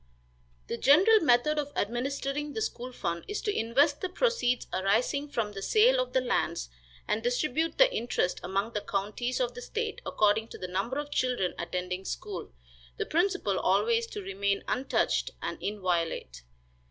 The general method of administering the school fund is to invest the proceeds arising from the sale of the lands, and distribute the interest among the counties of the state according to the number of children attending school; the principal always to remain untouched and inviolate.